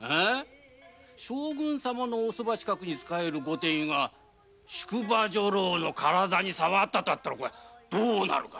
将軍様のお側近くに仕えるご典医が宿場女郎の体にさわったとあっちゃどうなるか。